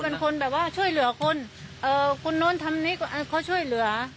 เป็นคนแบบว่าช่วยเหลือคนคนนู้นทำนี้เขาช่วยเหลือ